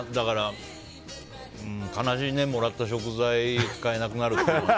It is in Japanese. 悲しいね、もらった食材使えなくなるのは。